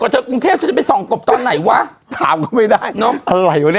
เธอกรุงเทพฉันจะไปส่องกบตอนไหนวะถามก็ไม่ได้เนอะอะไรวะเนี่ย